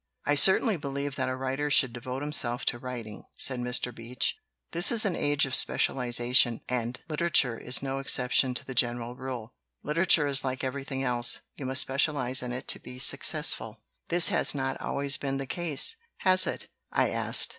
"I certainly believe that a writer should devote himself to writing," said Mr. Beach. "This is 69 LITERATURE IN THE MAKING an age of specialization, and literature is no ex ception to the general rule. Literature is like everything else you must specialize in it to be successful." "This has not always been the case, has it?" I asked.